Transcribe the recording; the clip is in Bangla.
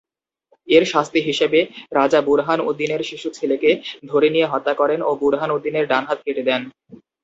এর শাস্তি হিসেবে রাজা বুরহান উদ্দীনের শিশু ছেলেকে ধরে নিয়ে হত্যা করেন ও বুরহান উদ্দীনের ডান হাত কেটে দেন।